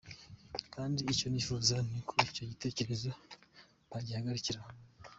Kandi icyo nifuza ni uko icyo gitekerezo bagihagarikira aho.